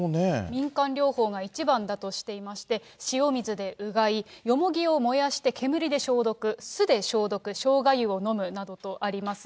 民間療法が一番だとしていまして、塩水でうがい、よもぎを燃やして、煙で消毒、酢で消毒、しょうが湯を飲むなどとあります。